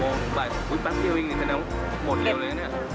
๖โมงบ่ายอุ๊ยแป๊บหนึ่งแสดงว่าหมดเร็วเลยนะนี่